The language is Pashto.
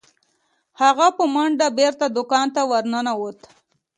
هغه په منډه بیرته دکان ته ورنوت.